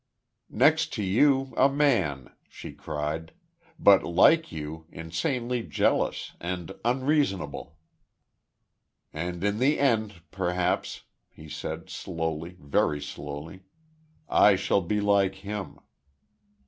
"Next to you, a man," she cried. "But like you, insanely jealous, and unreasonable." "And in the end, perhaps," he said slowly, very slowly, "I shall be like him."